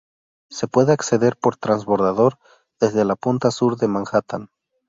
Se puede acceder por transbordador desde la punta sur de Manhattan.